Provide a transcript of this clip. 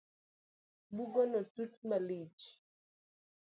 Bugono tut malich